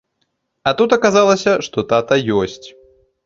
А тут аказалася, што тата ёсць.